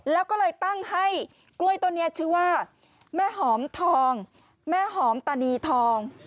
แล้วก็เลยตั้งให้กล้วยต้นนี้ชื่อว่าแม่หอมทองแม่หอมตานีทอง